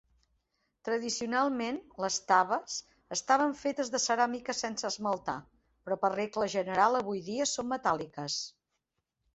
Tradicionalment, les "taves" estaven fetes de ceràmica sense esmaltar, però per regla general avui dia són metàl·liques.